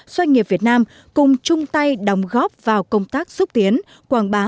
doanh nghiệp việt nam cùng chung tay đóng góp vào công tác xúc tiến quảng bá